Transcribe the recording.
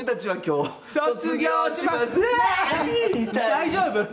大丈夫？